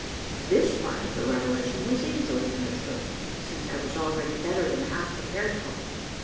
This part of the revelation was easily understood: since I was already better than half prepared for it.